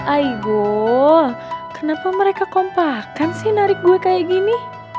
aigo kenapa mereka kompakan sih narik gue kayak gini